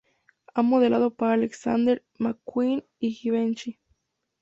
Ha modelado para Alexander McQueen y Givenchy.